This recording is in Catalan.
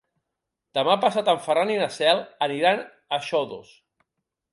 Demà passat en Ferran i na Cel aniran a Xodos.